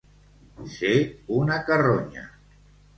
Ser una carronya.